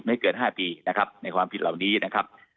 เกิน๕ปีนะครับในความผิดเหล่านี้นะครับ